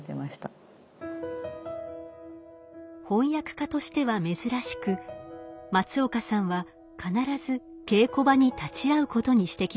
翻訳家としては珍しく松岡さんは必ず稽古場に立ち会うことにしてきました。